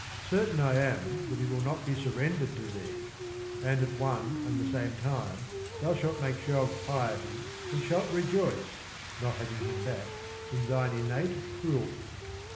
Certain I am that he will not be surren dered to thee; and at one and the same time thou shalt make show of piety and shalt rejoice (not having him back) in thine innate cruelty.